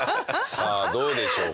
さあどうでしょうか？